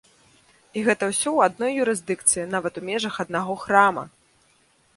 І гэта ўсё ў адной юрысдыкцыі, нават у межах аднаго храма!